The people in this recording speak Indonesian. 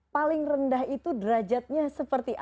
paling rendah itu derajatnya seperti apa